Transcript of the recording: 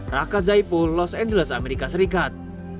raka zaipul los angeles amerika serikat